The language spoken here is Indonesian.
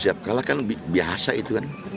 siap kalah kan biasa itu kan